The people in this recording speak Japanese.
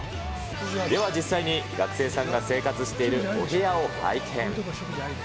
では実際に学生さんが生活しているお部屋を拝見。